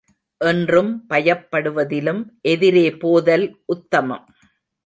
என்றும் பயப்படுவதிலும் எதிரே போதல் உத்தமம்.